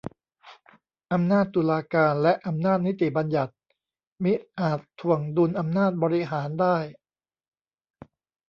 อำนาจตุลาการ และอำนาจนิติบัญญัติ มิอาจถ่วงดุลอำนาจบริหารได้